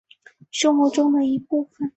生活中的每一分细节